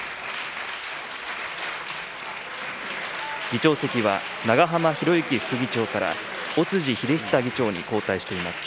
議長席は、長浜博行議長から尾辻秀久議長に交代しています。